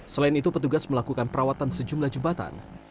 selain itu petugas melakukan perawatan sejumlah jembatan